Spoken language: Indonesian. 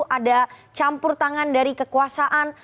ada campur tangan dari kekuasaan